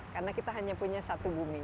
karena kita hanya punya satu bumi